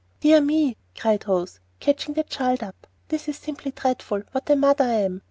"Dear me!" cried Rose, catching the child up. "This is simply dreadful! what a mother I am!